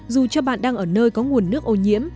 dù cho bạn đang ở nơi có nguồn nước ô nhiễm